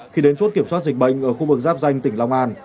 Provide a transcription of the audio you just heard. khi đến chốt kiểm soát dịch bệnh ở khu vực giáp danh tỉnh long an